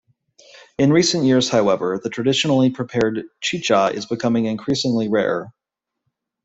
In recent years, however, the traditionally prepared chicha is becoming increasingly rare.